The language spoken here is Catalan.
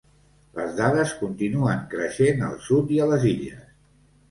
Les dades continuen creixent al sud i a les Illes.